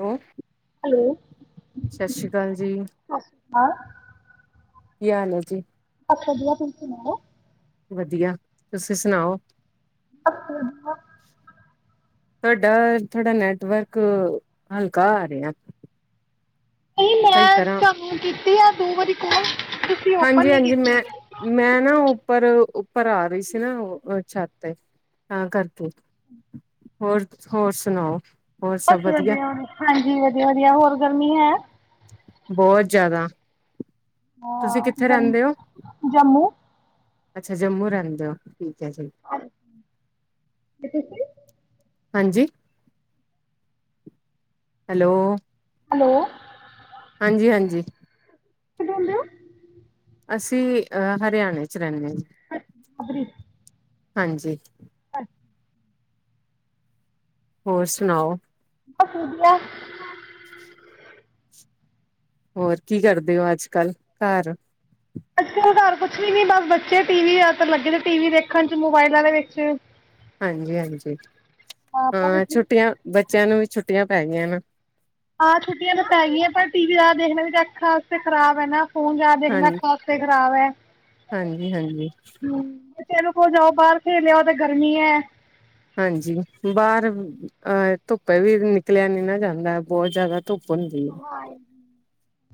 ਹੋ ਹੈਲੋ, ਸਤਿ ਸ੍ਰੀ ਅਕਾਲ ਜੀ। ਹਾਂ। ਕਿ ਹਾਲ ਐ ਜੀ? ਬਸ ਵਧੀਆ, ਤੁਸੀ ਸੁਨਾਓ। ਵਧੀਆ, ਤੁਸੀਂ ਸੁਨਾਓ। [unintelligible] ਤੁਹਾਡਾ ਥੋਡਾ ਨੈਟਵਰਕ ਹਲਕਾ ਆ ਰਿਹਾ। ਨਹੀਂ ਸਹੀ ਮੈਂ ਤੁਹਾਨੂੰ ਕੀ ਤੇ ਆ ਦੋ ਵਾਰੀ ਕੋਲ ਤੁਸੀਂ ਓਪਨ ਨੀ ਹਾਂਜੀ-ਹਾਂਜੀ, ਕੀਤੀ। ਮੈਂ, ਮੈਂ ਨਾ ਉੱਪਰ ਉਪਰ ਆ ਰਹੀ ਸੀ ਨਾ ਉਹ ਛੱਤ ਤੇ ਤਾਂ ਕਰਕੇ, ਹੋਰ, ਹੋਰ ਸੁਣਾਓ। ਹੋਰ ਸਭ ਬਸ ਵਧੀਆ, ਹਾਂਜੀ ਵਧੀਆ-ਵਧੀਆ, ਹੋਰ ਗਰਮੀ ਹੈ? ਬਹੁਤ ਜ਼ਿਆਦਾ। ਤੁਸੀਂ ਹਾਂ ਕਿੱਥੇ ਗਰ ਰਹਿੰਦੇ ਹੋ ਜੰਮੂ। ਅੱਛਾ ਜੰਮੂ ਰਹਿੰਦੇ ਹੋ। ਠੀਕ ਹੈ ਜੀ। ਤੇ ਤੁਸੀਂ? ਹਾਂਜੀ। ਹੈਲੋ। ਹੈਲੋ। ਹਾਂਜੀ-ਹਾਂਜੀ। [unintelligible] ਅਸੀਂ ਅਹ ਹਰਿਆਣੇ ਚ ਰਹਿੰਨੇ। [unintelligible] ਹਾਂਜੀ। ਹੋਰ ਸੁਣਾਓ। ਬਸ ਵਧੀਆ। ਹੋਰ ਕੀ ਕਰਦੇ ਹੋ ਅੱਜ ਕੱਲ ਘਰ? ਅੱਜ ਕਲ ਘਰ ਕੁਛ ਵੀ ਨੀ ਬਸ ਬੱਚੇ ਟੀ ਵੀ ਲੱਗੇ ਟੀ ਦੇਖਣ ਚ, ਮੋਬਾਇਲਾਂ ਦੇ ਵਿੱਚ। ਹਾਂਜੀ ਹਾਂਜੀ ਆਪਾਂ ਵੀ ਹਾਂ ਠੀਕ ਛੁੱਟੀਆਂ ਬੱਚਿਆਂ ਨੂੰ ਵੀ ਛੁੱਟੀਆਂ ਪੈ ਗਿਐ ਨਾ। ਹਾਂ ਛੁੱਟੀਆਂ ਤਾਂ ਪੈ ਗਈਐ ਪਰ ਟੀ ਵੀ ਜਾਦਾ ਦੇਖਣਾ ਵੀ ਤਾਂ ਅੱਖਾਂ ਵਾਸਤੇ ਖਰਾਬ ਹੈ ਨਾ ਫੋਨ ਜਾਦਾ ਦੇਖਣਾ ਹਾਂਜੀ ਅੱਖਾਂ ਆਸਤੇ ਖਰਾਬ ਹੈ ਹਾਂਜੀ ਹਾਂਜੀ ਹਮ। ਏਨੁ ਕਹੋ ਜਾਓ ਬਾਹਰ ਖੇਲਿ ਆਓ ਤਾਂ ਗਰਮੀ ਹੈ। ਹਾਂਜੀ, ਬਾਹਰ ਅਹ ਧੁੱਪੇ ਵੀ ਨਿਕਲਿਆ ਨੀ ਨਾ ਜਾਂਦਾ ਬਹੁਤ ਜ਼ਿਆਦਾ ਧੁੱਪ ਹੂੰਦੀ ਏ।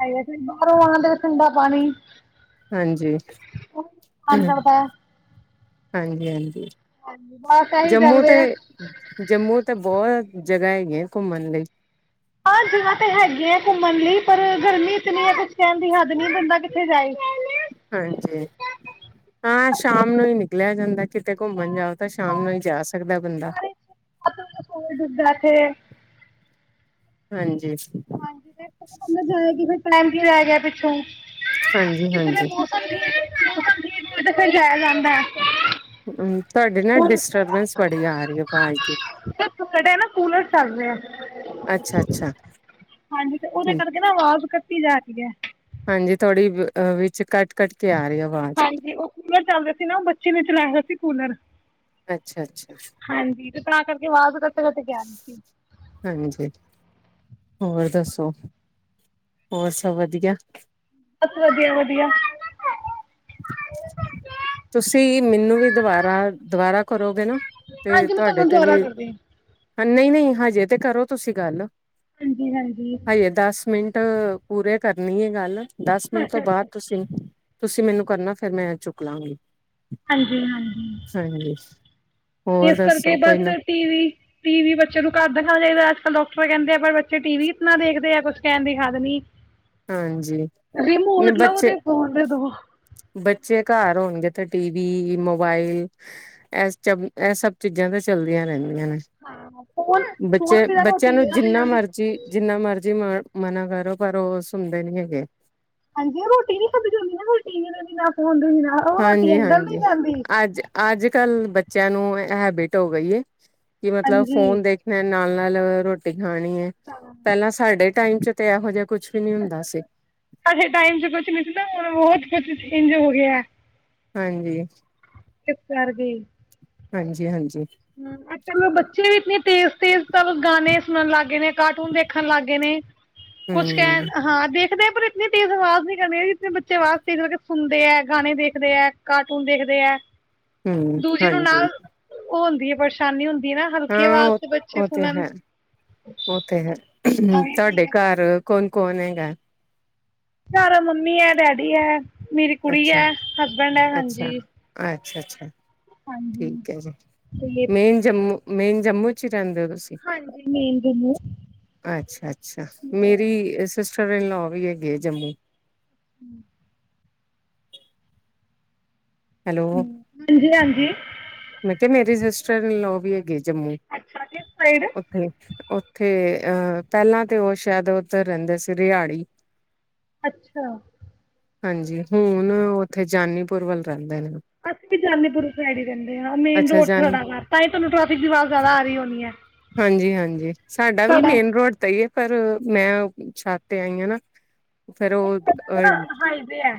ਐਈ ਬਸ। ਬਾਹਰੋਂ ਆਂਦੇ ਠੰਡਾ ਪਾਣੀ। ਹਾਂਜੀ ਉਹ ਵੀ ਮਨ ਹਮ। ਕਰਦਾ ਹੈ ਹਾਂਜੀ ਹਾਂਜੀ। ਹਾਂਜੀ ਬਸ ਇਹੀ ਚੱਲ ਜੰਮੂ ਤੇ ਰਿਹਾ ਜੰਮੂ ਤੇ ਬੋ ਜਗ੍ਹਾ ਹੈਗੀਐ ਘੁੰਮਣ ਲਈ। ਹਾਂ ਜਗ੍ਹਾ ਤੇ ਹੈਗੀ ਹੈ ਘੁੰਮਣ ਲਈ ਪਰ ਗਰਮੀ ਇਤਨੀ ਐ ਕੁਛ ਕਹਿਣ ਦੀ ਹੱਦ ਨੀ ਬੰਦਾ ਕਿੱਥੇ ਜਾਏ। ਹਾਂਜੀ ਹਾਂ ਸ਼ਾਮ ਨੂੰ ਹੀ ਨਿਕਲਿਆ ਜਾਂਦੈ। ਕਿਤੇ ਘੁੰਮਣ ਜਾਓ ਤਾਂ ਸ਼ਾਮ ਨੂੰ ਹੀ ਜਾ ਸਕਦੈ ਬੰਦਾ। ਸਾਰੇ ਸੂਰਜ ਡੁੱਬਦਾ ਇੱਥੇ ਹਾਂਜੀ। ਹਾਂਜੀ [unintelligible] ਕੀ ਰਹਿ ਗਿਆ ਪਿੱਛੋਂ। ਹਾਂਜੀ ਹਾਂਜੀ। ਨੀਤੇ ਫਿਰ ਜਾਇਆ ਜਾਂਦਾ ਹੈ। ਅਮ। ਆਵਾਜ਼ ਦੀ ਨੇੜੇ ਕੂਲਰ ਚੱਲ ਰਿਐ ਅੱਛਾ ਅੱਛਾ ਹਾਂਜੀ ਤੇ ਔਦੇ ਠੀਕ ਕਰਕੇ ਨਾ ਆਵਾਜ਼ ਕਟ ਕਟੀ ਜਾ ਰਹੀ ਹੈ ਹਾਂਜੀ ਥੋੜੀ ਵ ਅ ਵਿੱਚ ਕੱਟ ਕੱਟ ਹਾਂਜੀ ਔਹ ਕੂਲਰ ਚੱਲ ਰਿਆ ਸੀ ਨਾ ਔਹ ਬੱਚੇ ਨੇ ਚਲਾਇਆ ਸੀ। ਕੂਲਰ। ਅੱਛਾ-ਅੱਛਾ ਹਾਂਜੀ, ਤੇ ਤਾਂ ਕਰਕੇ ਅਵਾਜ਼ ਕਟ ਕਟ ਕੇ ਆਰੀ ਸੀ। ਹਾਂਜੀ ਹੋਰ ਦੱਸੋ? ਹੋਰ ਸਭ ਵਧੀਆ? ਬਸ ਵਧੀਆ ਵਧੀਆ। ਤੁਸੀਂ ਮੈਨੂੰ ਵੀ ਦੁਬਾਰਾ ਦੁਬਾਰਾ ਕਰੋਗੇ ਨਾ ਤੇ ਹਾਂਜੀ ਮੈਂ ਤੁਹਾਡੇ ਤੁਹਾਨੂੰ ਤੇ ਵੀ ਦੁਬਾਰਾ ਕਰਦੀ ਹਾਂ ਨਹੀਂ ਨਹੀਂ ਹਜੇ ਤੇ ਕਰੋ ਤੁਸੀਂ ਗੱਲ। ਹਾਂਜੀ ਹਾਂਜੀ। ਟ ਪੂਰੇ ਕਰਨੀ ਏ ਗੱਲ। ਦਸ ਮਿੰਟ ਤੋਂ ਬਾਅਦ ਤੁਸੀਂ ਤੁਸੀਂ ਮੈਨੂੰ ਕਰਨਾ ਫਿਰ ਮੈਂ ਚੁੱਕ ਲਾਂਗੀ, ਹਾਂਜੀ ਹਾਂਜੀ-ਹਾਂਜੀ ਹੋਰ ਇਸ ਕਰਕੇ ਦੱਸੋ ਕੋਈ ਬਸ ਨਾ ਟੀ-ਵੀ, ਟੀ-ਵੀ ਬੱਚਿਆਂ ਨੂੰ ਘੱਟ ਦਿਖਾਣਾ ਚਾਹੀਦਾ ਆ ਡਾਕਟਰ ਕਹਿੰਦੇ ਆ ਪਰ ਬੱਚੇ ਟੀ-ਵੀ ਇਤਨਾ ਦੇਖਦੇ ਆ ਕੁਛ ਕਹਿਣ ਦੀ ਹੱਦ ਨੀ ਹਾਂਜੀ ਤੇ ਫੋਨ ਦੇ ਦੋ ਬੱਚੇ-ਬੱਚੇ ਘਰ ਹੋਣਗੇ ਤੇ, ਟੀ-ਵੀ ਮੋਬਾਇਲ ਇਸ ਚ ਇਹ ਸਭ ਚੀਜ਼ਾਂ ਤੇ ਚਲਦੀਆਂ ਰਹਿੰ ਦੀਆ ਫੋਨ ਫੋਨ ਬੱਚੇ ਬਿਨਾਂ ਬੱਚਿਆਂ ਰੋਟੀ ਨੀ ਨੂੰ ਖਾਧੀ ਜਿੰਨਾ ਮਰਜੀ ਜਿੰਨਾ ਮਰਜੀ ਮ ਮਨਾ ਕਰੋ ਪਰ ਉਹ ਸੁ ਸੁਣਦੇ ਨੀ ਹੈਗੇ। ਹਾਂਜੀ ਰੋਟੀ ਨੀ ਖਾਦੀ ਜਾਦੀ ਨਾ ਫਿਰ ਟੀ-ਵੀ ਤੋ ਬਿਨਾਂ ਉਹ ਰੋਟੀ ਅੰਦਰ ਨੀ ਹਾਂਜੀ-ਹਾਂਜੀ ਜਾਂਦੀ ਅੱਜ-ਅੱਜ, ਕੱਲ ਬੱਚਿਆਂ ਨੂੰ ਇਹ ਹੇਬਿਟ ਹੋ ਗਈ ਹੈ, ਕਿ ਮਤਲਬ ਹਾਂਜੀ ਫੋਨ ਦੇਖਣਾ ਨਾਲ ਨਾਲ [unintelligible] ਰੋਟੀ, ਖਾਣੀ ਹੈ ਪਹਿਲਾਂ ਸਾਡੇ ਟਾਈਮ ਚ ਤਿਆਰ ਹੋਜੇ, ਸਾਡੇ ਟਾਈਮ ਚ ਕੁਛ ਨੀ ਸੀ ਨਾ ਬਹੁਤ ਕੁਛ ਇਝ ਹੋ ਗਿਆ। ਹਾਂਜੀ, ਇਸ ਕਰਕੇ, ਹਾਂਜੀ-ਹਾਂਜੀ, ਹੂੰ, ਅੱਜ ਕੱਲ ਬੱਚੇ ਵੀ ਇਤਨੇ ਤੇਜ਼, ਤੇਜ਼ ਤਾਂ ਗਾਣੇ ਸੁਣਨ ਲੱਗ ਗਏ। ਗੇ ਨੇ ਕਾਰਟੂਨ ਦੇਖਣ ਲੱਗ ਗਏ ਨੇ ਕੁਛ ਹਮ ਕਹਿਣ ਹਾਂ ਤੇ ਕਦੇ ਪਰ ਇਤਨੀ ਤੇਜ਼ ਆਵਾਜ਼ ਨੀ ਕਰਨੀ ਹੈ, ਜਿੱਥੇ ਬੱਚੇ ਆਵਾਜ਼ ਤੇਜ਼ ਕਰਕੇ ਸੁਣਦੇ ਹੈ, ਗਾਣੇ ਦੇਖਦੇ ਹੈ, ਕਾਰਟੂਨ ਦੇਖਦੇ ਹੈ। ਹੂੰ ਦੂਜੇ ਨੂੰ ਹਾਂਜੀ, ਨਾਲ ਉਹ ਹੁੰਦੀ ਹੈ ਪਰੇਸ਼ਾਨੀ ਹੁੰ ਦੀ ਹੈ, ਨਾ ਹਲਕੀ ਹਾਂ ਆਵਾਜ਼ ਉਹ ਤੇ ਬੱਚੇ ਉਹ ਤੇ ਸੁਣਨ ਹੈ ਉਹ ਤੇ ਹੈ ਕੋਣ ਹੈਗਾ ਘਰ ਮੰਮੀ ਐ, ਡੈਡੀ ਐ। ਮੇਰੀ ਕੁੜੀ ਅੱਛਾ ਹੈ, ਹਸਬੈਂਡ ਹੈ ਹਾਂਜੀ ਅੱਛਾ-ਅੱਛਾ, ਠੀਕ ਹੈ ਜੀ ਤੇ ਮੈਂ ਜੰਮੂ ਮੇਨ ਜੰਮੂ ਚ ਰਹਿੰਦੇ ਔ ਤੁਸੀਂ ਹਾਂਜੀ ਮੇਨ ਜੰਮੂ ਅੱਛਾ-ਅੱਛਾ ਮੇਰੀ ਸਵੇਰੇ ਨੌ ਵਜੇ ਗਏ ਜੰਮੂ [unintelligible] ਹੈਲੋ ਹਾਂਜੀ ਹਾਂਜੀ ਮੈਂ ਕਿਹਾ ਮੇਰੇ ਸਿਸਟਰ ਇਨ ਲੋਅ ਵੀ ਹੈਗੇ ਜੰਮੂ ਅੱਛਾ ਕਿਸ ਸਾਈਡ ਉੱਥੇ ਉੱਥੇ ਅਹ ਪਹਿਲਾਂ ਤੇ ਉਹ ਸ਼ਾਇਦ ਉੱਧਰ ਰਹਿੰਦੇ ਸੀ ਰਿਹਾੜੀ ਅੱਛਾ ਹਾਂਜੀ ਹੁਣ ਉੱਥੇ ਜਾਨੀਪੁਰ ਵੱਲ ਰਹਿੰਦੇ ਨੇ ਅਸੀਂ ਵੀ ਜਾਨੀਪੁਰ ਸਾਈਡ ਹੀ ਰਹਿਣੇ ਮੇਨ ਅੱਛਾ ਰੋਡ ਤੇ ਜਾਨੀ ਸਾਡਾ ਘਰ, ਤਾਂ ਹੀ ਤੁਹਾਨੂੰ ਟੈਫਿਕ ਆਵਾਜ਼ ਜ਼ਿਆਦਾ ਆ ਰਹੀ ਹੋਣੀ ਏ। ਹਾਂਜੀ ਹਾਂਜੀ ਸਾਡਾ ਵੀ ਮੇਨ ਰੋਡ ਤੇ ਹੀ ਏ ਪਰ ਮੈਂ ਛੱਤ ਤੇ ਆਈ ਹਾਂ ਨਾ ਫਿਰ ਉਹ ਸਾਡਾ ਅਹ ਨਾ ਹਾਈਵੇ ਹੈ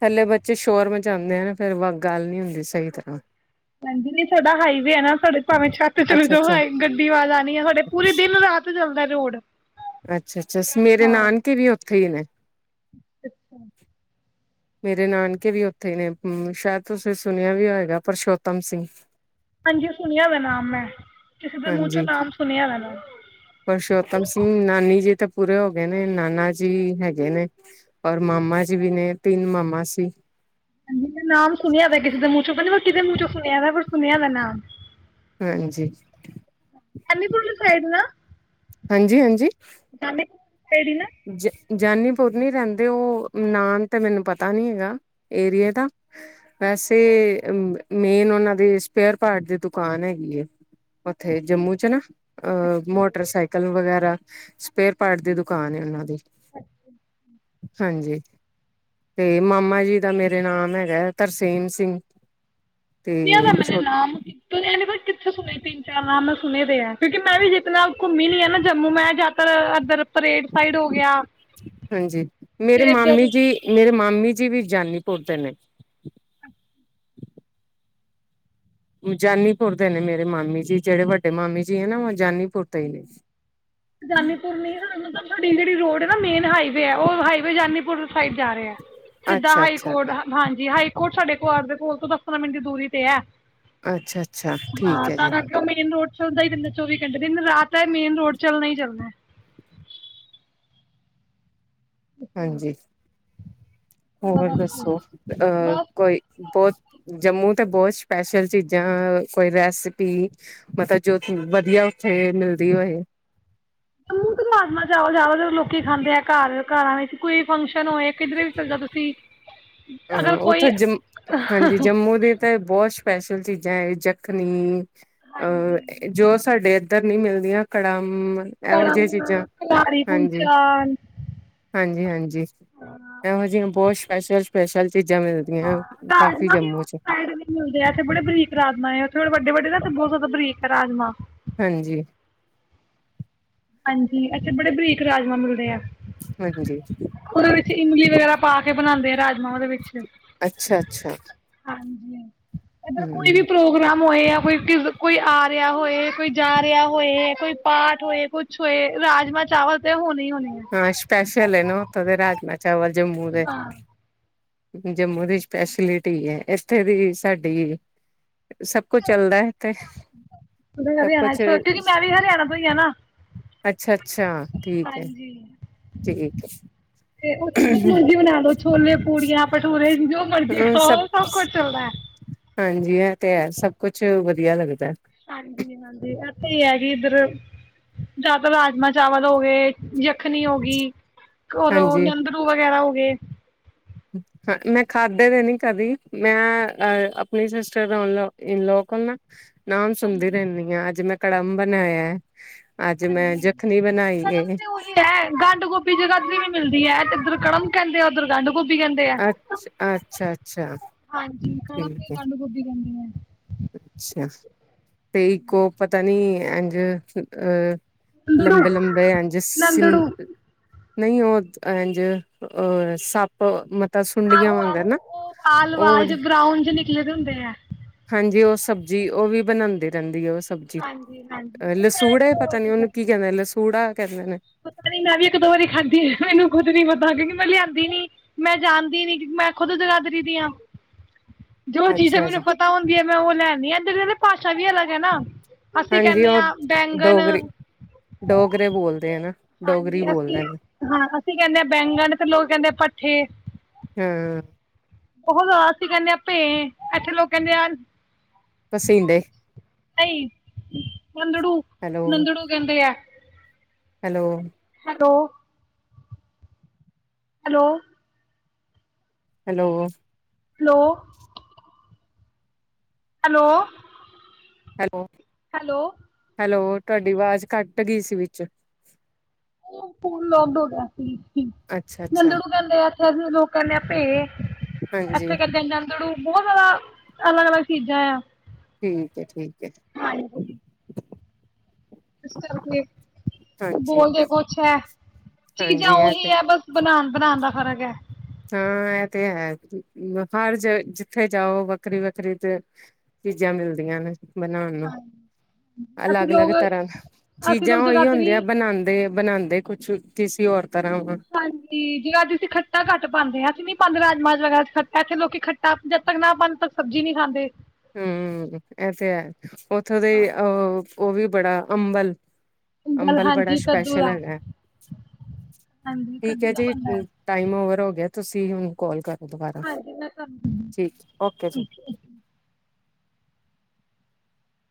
ਥਲੇ ਬੱਚੇ ਸ਼ੋਰ ਮਚਾਉਂਦੇ ਆ ਹਨ ਨਾ ਫੇਰ ਵੱਲ ਦੀਦੀ ਸਾਡਾ ਹਾਈਵੇ ਹੈ ਨਾ ਸਾਡੇ ਭਾਵੇਂ ਛੱਤ ਚਲੇ ਜਾਓ ਅੱਛਾ-ਅੱਛਾ ਆਵਾਜ਼ ਆ ਨ ਆ ਸਾਡੇ ਪੂਰੇ ਦਿਨ ਰਾਤ ਚਲਦਾ ਰੋਡ ਹਾਂ ਠੀਕ ਏ ਅੱਛਾ ਮੇਰੇ ਨਾਨਕੇ ਵੀ ਉੱਥੇ ਨੇ ਸ਼ਾਇਦ ਤੁਸੀਂ ਸੁਣਿਆ ਵੀ ਹੋਏਗਾ ਪਰਸ਼ੋਤਮ ਸਿੰਘ ਹਾਂਜੀ ਸੁਣਿਆ ਏ ਨਾਮ ਮੈ ਹਾਂਜੀ ਪੁਰਸ਼ੋਤਮ ਸਿੰਘ ਨਾਨੀ ਜੀ ਤੇ ਪੂਰੇ ਹੋ ਗਏ ਨੇ ਨਾਨਾ ਜੀ ਹੈਗੇ ਨੇ ਔਰ ਮਾਮਾ ਜੀ ਵੀ ਨੇ ਤਿੰਨ ਮਾਮਾ ਸੀ ਹਾਂਜੀ ਮੈਂ ਨਾਮ ਸੁਣਿਆ ਵੇ ਕਿਸੇ ਦੇ ਮੂੰਹ ਚੋ ਪਤਾ ਨਹੀ ਮੈ ਕੀ ਦੇ ਮੂੰਹ ਚੋ ਸੁਣਿਆ ਵੈ ਪਰ ਸੁਣਿਆ ਨਾਮ ਹਾਂਜੀ। ਐਮੀ ਪੁਰ ਸਾਈਡ ਨਾ ਹਾਂਜੀ ਹਾਂਜੀ ਤੇਰੀ ਨਾ ਜਾਨੀਪੁਰ ਨੀ ਰਹਿੰਦੇ ਉਹ ਨਾਮ ਤੇ ਮੈਨੂੰ ਪਤਾ ਨੀ ਹੈਗਾ ਏਰੀਏ ਦਾ ਵੈਸੇ ਮੇਨ ਉਹਨਾਂ ਦੇ ਸਪੇਅਰ ਪਾਰਟ ਦੀ ਦੁਕਾਨ ਹੈਗੀ ਏ ਉੱਥੇ ਜੰਮੂ ਚ ਨਾ ਅ ਮੋਟਰਸਾਈਕਲ ਵਗੈਰਾ ਸਪੇਅਰ ਪਾਰਟ ਦੀ ਦੁਕਾਨ ਏ ਨਾਂ ਦੀ ਅੱਛਾ ਹਾਂਜੀ ਤੇ ਮਾਮਾ ਜੀ ਦਾ ਮੇਰੇ ਨਾਮ ਹੈਗਾ ਤਰਸੇਮ ਸਿੰਘ [unintelligible] [unintelligible] ਤੇ ਛੋ ਮੈਂ ਸੁਣੇ ਦੇ ਏ ਕਿਉਂਕਿ ਮੈਂ ਜਿਤਨਾ ਘੁੰਮੀ ਦੀ ਆ ਨਾ ਜੰਮੂ ਮੈਂ ਜਦ ਤਰ ਏਧਰ ਹਾਂਜੀ ਮੇਰੇ ਤੇ ਮਾਮੀ ਇੱਧਰ ਜੀ ਮੇਰੇ ਮਾਮੀ ਜੀ ਵੀ ਜਾਨੀਪੁਰ ਦੇ ਨੇ। ਜਾਨੀਪੁਰ ਦੇ ਨੇ ਮੇਰੇ ਮਾਮੀ ਜੀ। ਜਿਹੜੇ ਵੱਡੇ ਮਾਮੀ ਜੀ ਹੈ ਨਾ, ਉਹ ਜਾਨੀਪ ਜਾਨੀਪੁਰ ਨਹੀ ਹਾ ਮਤਲਬ ਸਾਡੀ ਜਿਹੜੀ ਰੋਡ ਹੈ ਨਾ ਮੇਨ ਹਾਈਵੇ ਏ, ਉਹ ਹਾਈਵੇ ਜਾਨੀਪੁਰ [unintelligible] ਜਾ ਰਹੇ ਆ ਸਿੱਧਾ ਅੱਛਾ ਹਾਈ ਅੱਛਾ ਕੋਰਟ ਹਾਂਜੀ ਹਾਈ ਕੋਟ ਸਾਡੇ ਘਆਰ ਦੇ ਕੋਲ ਤੋਂ ਦਸ ਪੰਦਰਾਂ ਮਿੰਟ ਦੀ ਦੂਰੀ ਤੇ ਹੈ। ਅੱਛਾ -ਅੱਛਾ ਠੀਕ ਹੈ ਜੀ। ਚਲਦਾ ਹੀ ਰਹਿੰਦਾ ਚੋਵੀ ਘੰਟੇ ਦਿਨ ਰਾਤ ਹੈ ਮੇਨ ਰੋਡ ਚੱਲਣਾ ਹੀ ਚੱਲਣਾ। ਹਾਂਜੀ। ਹੋਰ ਤਾਂ ਕਰਕੇ ਦੱਸੋ ਅ ਬਸ ਕੋਈ ਬਹੁਤ ਜੰਮੂ ਬਹੁਤ ਸਪੈਸ਼ਲ ਚੀਜ਼ਾਂ ਕੋਈ ਰੈਸਪੀ ਮਤਾ ਜੋ ਵਧੀਆ ਉੱਥੇ ਮਿਲਦੀ ਹੋਏ। ਜੰਮੂ ਤੇ ਰਾਜਮਾਂ ਚਾਵਲ ਜ਼ਿਆਦਾ ਤਰ ਲੋਕ ਖਾਂਦੇ ਆ। ਘਰ ਘਰਾਂ ਵਿੱਚ ਕੋਈ ਫੰਕਸ਼ਨ ਚਲੋ ਏ ਕਿੱਧਰੇ ਵੀ ਚੱਲ ਜੋ ਤੁਸੀਂ। ਉਹੂੰ ਅਗਰ ਕੋਈ ਉੱਥੇ ਜਮ ਹਾਂਜੀ ਜੰਮੂ ਦੇ ਤਾਂ ਬਹੁਤ ਸ਼ ਸਪੈਸ਼ਲ ਚੀਜ਼ਾਂ ਏ ਜਖਣੀ ਆ ੲ ਜੋ ਸਾਡੇ ਇੱਧਰ ਨੀ ਮਿਲਦੀਆਂ। ਕੜਮ ਇਹੋ ਕੜਮ, ਜਿਹੀਆਂ ਚੀਜ਼ਾਂ ਕਲਾਰੀ ਹਾਂਜੀ ਕੁਲਚਾ -ਹਾਂਜੀ -ਹਾਂਜੀ ਇਹੋ ਜਿਹੀਆਂ ਬਹੁਤ [unintelligible] [unintelligible] ਮਿਲਦੀਆਂ ਕਾਫ਼ੀ ਰਾਜਮਾ ਵੀ ਜੰਮੂ ਉਸ ਚ ਸਾਈਡ ਨਹੀ ਮਿਲਦੇ, ਅਥੇ ਬੜੇ ਬਰੀਕ ਰਾਜਮਾ ਉਥੇ ਥੋੜੇ ਵਡ ਵੱਡੇ ਵੱਡੇ ਨੇ ਤੇ ਬਹੁਤ ਜ਼ਿਆਦਾ ਬਰੀਕ ਰਾਜਮਾਂ ਹਾਂਜੀ ਹਾਂਜੀ ਏਥੇ ਬੜੇ ਬਰੀਕ ਰਾਜਮਾਂ ਮਿਲਦੇ ਆ। ਵਾਹਿਗੁਰੂ ਜੀ। ਉਰੇ ਵਿੱਚ ਇਮਲੀ ਵਗੈਰਾ ਪਾ ਕੇ ਬਣਾਂਦੇ ਆ। ਰਾਜਮਾਂ ਉਹਦੇ ਵਿੱਚ ਅੱਛਾ -ਅੱਛਾ ਹਾਂਜੀ ਇੱਧਰ ਕੋਈ ਹਮ ਵੀ ਪ੍ਰੋਗਰਾਮ ਮੋਇਆ ਕੋਈ ਕਿਜ ਕੋਈ ਆ ਰਿਹਾ ਹੋਏ, ਕੋਈ ਜਾ ਰਿਹਾ ਹੋਏ, ਕੋਈ ਪਾਠ ਹੋਏ, ਕੁਛ ਹੋਏ ਰਾਜਮਾਂ ਚਾਵਲ ਤੇ ਹੋਣੇ ਹੀ ਹੋਣ ਹਾਂ ਸਪੈਸ਼ਲ ਏਨਾ, ਉਥੋਂ ਦੇ ਰਾਜ ਚਾਵਲ ਜੰਮੂ ਦੇ ਹਾਂ ਜੰਮੂ ਦੀ ਸਪੈਸ਼ਲਿਟੀ ਹੈ ਇੱਥੇ ਦੀ ਸਾਡੀ ਸਭ ਕੁਛ ਚੱਲਦਾ ਹੈ ਤੇ ਸਭ ਹਰਿਆਣਾ ਕੁਛ ਕਿਉਂਕਿ ਮੈਂ ਵੀ ਹਰਿਆਣਾ ਤੋਂ ਹੀਈ ਆ ਨਾ ਅੱਛਾ ਅੱਛਾ ਠੀਕ ਹੈ ਹਾਂਜੀ ਠੀਕ ਤੇ ਉਹ ਮਰਜੀ ਬਣਾ ਲੋੋ ਛੋਲੇ ਪੂੜੀਆਂ ਭਟੂਰੇ ਜੋ ਮਰਜ਼ੀ ਹੈ ਹਮ ਹਾਂ ਸਭ ਕੁਛ ਚੱਲਦਾਹਾ ਹੈ ਹਾਂਜੀ ਇਹ ਤੇ ਹੈ ਸਭ ਕੁਛ ਵਧੀਆ ਲੱਗਦਾ ਹਾਂਜੀ ਹਾਂਜੀ ਇਥ ਹੈ ਕਿ ਇਧਰ ਜਿਆਤਰ ਰਾਜਮਾਂ ਚਾਵਲ ਹੋ ਗਏ ਜਖਣੀ ਹੋ ਗ ਰ ਨਿੰਦੜੂ ਵਗੈਰਾ ਹੋ ਗਏ ਹ ਮੈਂ ਖਾਧੇ ਦੇ ਨ ਕਦੀ ਮੈਂ ਅ ਆਪਣੀ ਸਿਸਟਰ ਇਨਲ ਕੋਲ ਨਾ ਨਾਮ ਸੁਣਦੀ ਰਹਿੰਦੀ ਹਾਂ ਅੱਜ ਮੈਂ ਕੜੰ ਬਨ ਹੋਇਆ ਹਾਂਜੀ ਉਹੀ ਹੈ ਗੰਢ ਗੋਭੀ ਜਗ੍ਹਾਧ ਵੀ ਮਿਲਦੀ ਹੈ ਤੇਧਰ ਕੜਮ ਕਹਿੰਦੇ ਉਧੁਰ ਗੰਢ ਗੋਭੀ ਕਹਿੰਦੇ ਆ ਅੱਛ ਅੱਛਾ ਅੱਛਾ ਹਾਂਜੀ ਠੀਕ ਕਡਮਦੇ ਹੈ ਗੰਢ ਗੋਭੀ ਕਹਿੰਦੇ ਆ ਅੱਛਾ ਤੇ ਇੱਕੋ ਪਤਾ ਨੀ ਇਝ ਅਹ ਨੰਦੜੂ ਲੰਬੇ ਲੰਬੇ ਐਜ ਸਿੰ ਨੰਦੜੂ ਨਹੀਂ ਉਹ ਇਝ ਸੱਪ ਮਤਲਬ ਸੁੰਡੀਆਂ ਆਹੋ ਆਹੋ ਵਾਂਗਰ ਨਾ ਉਹ ਉਹ ਵਾਲ ਚ ਵਾਲੀ ਗਰਾਉਡ ਚ ਨਿਕਲੇ ਹੁੰਦੇ ਆ ਜ ਉਹ ਸਬਜ਼ਜੀ ਉਹ ਵੀ ਬਣਾਉਂਦੀ ਰਹਿੰਦੀ ਹੈ ਸਬਜ਼ੀ ਅਹ ਲਸੂੜੇ ਪਤਾ ਨੀ ਉਹਨੂੰ ਕੀ ਕਹਿੰਦਾ ਲਸੂੜਾ ਕਹਿੰਦੇ ਨੇ। ਪਤਾ ਨ ਮੈਂ ਵੀ ਇੱਕ ਦੋ ਵਾਰੀ ਖਾਧੀ ਮੈਨੂੰ ਖੁਦ ਨੀ ਪਤਾ ਮੈਂ ਲਿਆਂਦੀ ਨੀ ਮੈਂ ਜਾਣਦੀ ਨੀ ਕਿ ਮੈਂ ਖੁਦ ਜਗਾਦਰੀ ਦੀ ਹਾਂ ਜੋ ਚੀਜ਼ਾਂ ਅੱਛਾ ਜੀ। ਮੈਨੂੰ ਪਤਾ ਹੁੰਦੀਆਂ ਮੈਂ ਉਹ ਲੈਂਦੀ ਆ ਇ ਕਦੇ ਭਸ਼ ਛਵੀ ਅਲੱਗ ਹੈ ਨਾ ਅਸੀਂ ਹਾਂਜੀ ਕਹਿੰਦੇ ਉਹ ਹਾਂ ਬੈਂਗਣ ਡੋਗਰੀ ਡੋਗਰੇ ਬੋਲਦੇ ਹੈ ਨਾ ਡੋਗਰੀ ਹਾਂਜੀ ਅਸੀਂ ਬੋਲਦੇ ਨੇ ਹਾਂ ਅਸੀਂ ਕਹਿੰਦੇ ਹ ਬੈਂਗਣ ਤੇ ਲੋਕ ਕਹਿੰਦੇ ਆ ਭੱਠੇ ਹਾਂ ਬਹੁਤ ਜ਼ਦਾਸੀਂ ਕਹਿੰਦੇ ਆ ਭੇ ਇੱਥੇ ਲੋਕ ਕਹਿੰਦੇ ਆ ਪਸੀਂਦੇ ਨਹੀਂ ਨੰਦੜੂ ਹੈਲੋ ਨੰਦੜੂ ਕਹਿੰਦੇ ਆ hello [unintelligible] hello hello hello hello hello hello hello ਤੁਹਾਡੀ ਆਵਾਜ਼ ਕੱਟ ਗਈ ਸੀ ਵਿਚ ਉਹ ਫੋਨ ਲੌਕਡ ਹੋ ਗਿਆ ਸੀ ਅੱਛਾ ਅੱਛਾ ਨੰਦੜੂ ਕਹਿੰਦੇ ਆ, ਇੱਥੇ ਲੋਕ ਕਹਿੰਦੇ ਆ ਭੇ, ਹਾਂਜੀ ਇੱਥੇ ਕਹਿੰਦੇ ਆ ਨੰਦੜੂ ਬਹੁਤ ਜਿਆਦਾ ਅਲੱਗ ਅਲੱਗ ਸਜਾਇਆ [unintelligible] ਠੀਕ ਠੀਕ ਹੈ ਹਾਂਜੀ ਇਸ ਕਰਕੇ ਹਾਂਜੀ ਬੋਲਦੇ ਕੁਛ ਹੈ ਚੀਜ਼ਾਂ ਹਾਂਜੀ ਇਹ ਉਹੀ ਤੇ ਹੈ ਬਸ ਬਣਾਉਣ ਬਨਾਉਣ ਦਾ ਫ਼ਰਕ ਹੈ। ਹਾਂ ਇਹ ਤੇ ਹੈ ਹਰ ਜ ਜਿੱਥੇ ਜਾਓ ਵੱਖਰੀ ਵੱਖਰੀ ਤੇ ਚੀਜ਼ਾਂ ਮਿਲਦੀਆਂ ਨੇ ਬਣਾਉਣ ਨੂੰ ਅਸੀਂ ਅਲੱਗ ਲੋਕ ਅਲੱਗ ਤਰ੍ਹਾਂ ਅਸੀਂ ਚੀਜ਼ਾਂ ਲੋਕ ਉਹੀ ਜਗਾਦਰੀ ਹੁੰਦੀਆਂ ਬਣਾਉਂਦੇ। ਬਣਾਉਂਦੇ ਕੁਛ ਕਿਸੇ ਹੋਰ ਤਰ੍ਹਾਂ ਵਾ ਹਾਂਜੀ ਜੇ ਅੱਜ ਅਸੀਂ ਖੱਟਾਂ ਘੱਟ ਪਾਉਂਦੇ ਹਾਂ ਨਹੀਂ ਪਾਉਦੇ ਰਾਜਮਾਜ ਵਗੈਰਾ ਚ ਖੱਟਾ ਇੱਥੇ ਲੋਕ ਖੱਟਾ ਜਦ ਤੱਕ ਨਾ ਪਾਉ ਤ ਸਬਜੀ ਨ ਨਹੀਂ ਖਾਂਦੇ ਹਮ ਇਹ ਤੇ ਹੈ ਉੱਥੋਂ ਦੇ ਅ ਉਹ ਵੀ ਬੜਾ ਅੰਬਲ ਦਾਲ ਅੰਬਲ ਬੜਾ ਹਾਂਜੀ ਕੱਦੂ ਸਪੈਸ਼ਲ ਦਾ ਹੈਗਾ ਹਾਂਜੀ ਠੀਕ ਕੱਦੂ ਹੈ ਦਾ ਜੀ ਬਣਦਾ ਟਾਈਮ ਓਵਰ ਹੋ ਗਿਆ ਤੁਸੀਂ ਉਹਨੂੰ ਕਾਲ ਕਰ ਦੁਬਾਰਾ ਹਾਂਜੀ ਮੈਂ ਤੁਹਾਨੂੰ ਠੀਕ ਓਕੇ ਜੀ